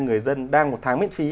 người dân đang một tháng miễn phí